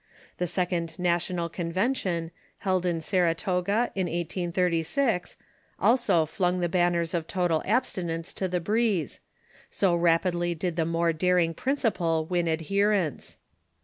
The second National Convention, held in Saratoga, in 1836, also flung the banners of Total Abstinence to the breeze — so rap idly did the more daring principle win adherents.